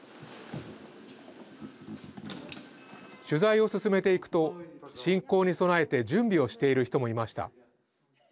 取材を進めていくと侵攻に備えて準備をしている人もいました。